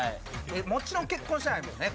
もちろん結婚してないもんね。